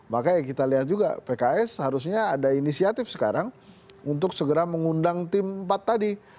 makanya kita lihat juga pks seharusnya ada inisiatif sekarang untuk segera mengundang tim empat tadi